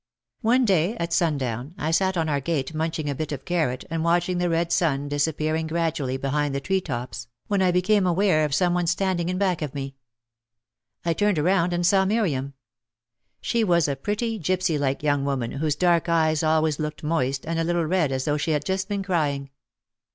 One day, at sundown, I sat on our gate munching a bit of carrot, and watching the red sun disappearing gradually behind the treetops, when I became aware of some one standing in back of me. I turned around and saw Miriam. She was a pretty, gipsy like young woman whose dark eyes always looked moist and a little red as though she had just been crying.